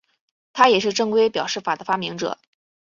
他也是正规表示法的发明者。